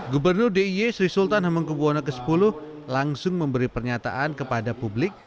gubernur diy sri sultan hemengkubwono x langsung memberi pernyataan kepada publik